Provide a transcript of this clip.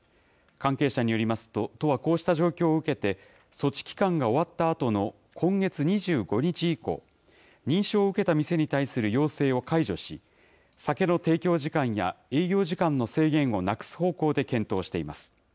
関係者によりますと、都はこうした状況を受けて、措置期間が終わったあとの今月２５日以降、認証を受けた店に対する要請を解除し、酒の提供時間や営業時間の制限をなくす方向で検討しています。